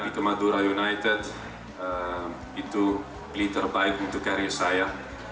dari madura united itu pelit terbaik untuk karir saya